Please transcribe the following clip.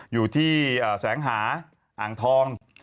อยู่ที่แสงหาอ่างทอง